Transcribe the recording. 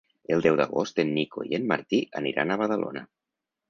El deu d'agost en Nico i en Martí aniran a Badalona.